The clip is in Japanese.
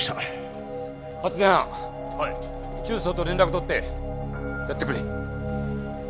中操と連絡取ってやってくれ。